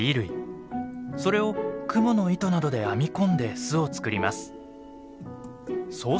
それをクモの糸などで編み込んで巣を作ります。